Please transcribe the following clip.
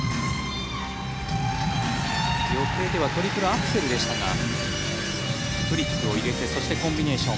予定ではトリプルアクセルでしたがフリップを入れてそしてコンビネーション。